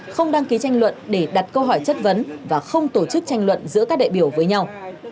không đăng ký tranh luận để đặt câu hỏi chất vấn và không tổ chức tranh luận giữa các đại biểu với nhau